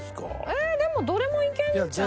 えでもどれもいけんじゃない？